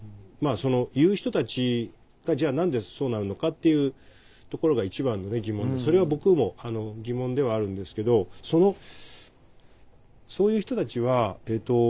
言う人たちがじゃあ何でそうなるのかっていうところが一番の疑問でそれは僕も疑問ではあるんですけどそういう人たちはえっと